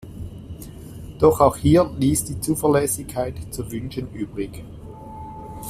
Doch auch hier ließ die Zuverlässigkeit zu wünschen übrig.